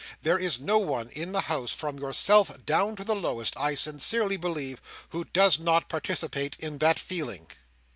There is no one in the House, from yourself down to the lowest, I sincerely believe, who does not participate in that feeling."